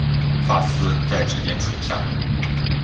发丝在指间垂下